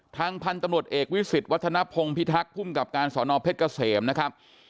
ทางพันธุ์ตำรวจเอกวิสิตวัฒนภงพิทักษ์ภูมิกับการสอนอเพชรเกษมนะครับ